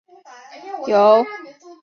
尤其是履带常常出问题。